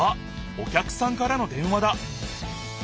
お客さんからの電話だ。